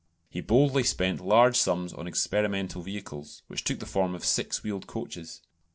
He boldly spent large sums on experimental vehicles, which took the form of six wheeled coaches.